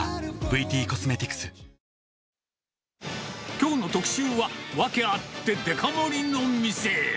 きょうの特集は、ワケあってデカ盛りの店。